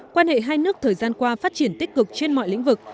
quan hệ hai nước thời gian qua phát triển tích cực trên mọi lĩnh vực